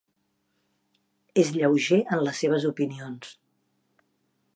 És lleuger en les seves opinions.